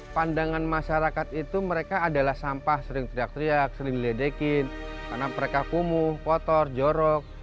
pandangan masyarakat itu mereka adalah sampah sering teriak teriak sering diledekin karena mereka kumuh kotor jorok